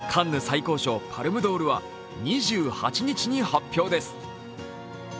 カンヌ最高賞パルムドールは２８日に発表です。